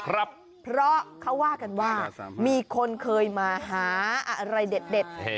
เพราะเขาว่ากันว่ามีคนเคยมาหาอะไรเด็ด